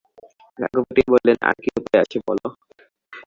রঘুপতি বলিলেন, আর কী উপায় আছে বলো।